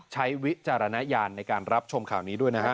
วิจารณญาณในการรับชมข่าวนี้ด้วยนะฮะ